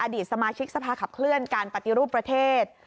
สมาชิกสภาขับเคลื่อนการปฏิรูปประเทศ